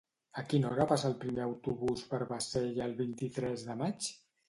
A quina hora passa el primer autobús per Bassella el vint-i-tres de maig?